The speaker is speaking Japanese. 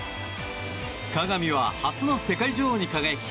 鏡は、初の世界女王に輝き